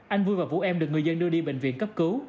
anh vui và vũ em được người dân đưa đi bệnh viện cấp cứu